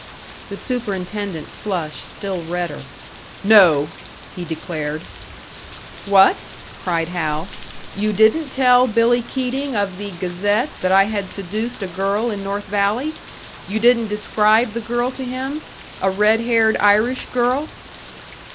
The superintendent flushed still redder. "No!" he declared. "What?" cried Hal. "You didn't tell Billy Keating of the Gazette that I had seduced a girl in North Valley? You didn't describe the girl to him a red haired Irish girl?"